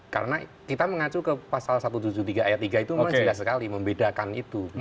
karena kita mengacu ke pasal satu ratus tujuh puluh tiga ayat tiga itu memang jelas sekali membedakan itu